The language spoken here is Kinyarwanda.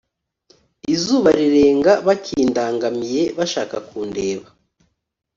Izuba rirenga bakindangamiye bashaka kundeba